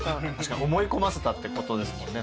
思い込ませたってことですもんね。